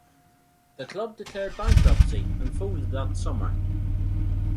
The club declared bankruptcy and folded that summer.